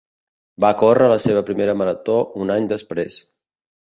Va córrer la seva primera marató un any després.